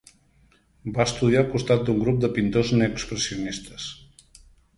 Va estudiar al costat d'un grup de pintors neoexpressionistes.